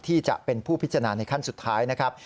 ที่จะเป็นผู้พิจารณาในขั้นสุดท้ายนะครับ